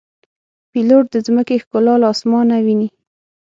پیلوټ د ځمکې ښکلا له آسمانه ویني.